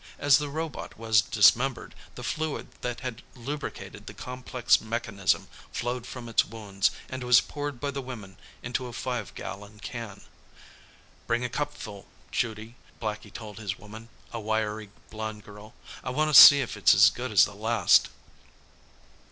As the robot was dismembered, the fluid that had lubricated the complex mechanism flowed from its wounds and was poured by the women into a five gallon can. "Bring a cupful, Judy," Blackie told his woman, a wiry blond girl. "I wanna see if it's as good as the last."